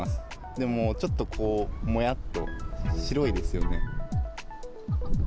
でも、ちょっとこうもやっと、白いですよね。